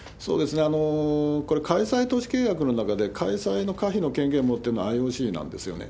これ、開催都市契約の中で、開催の可否の権限を持ってるのはＩＯＣなんですよね。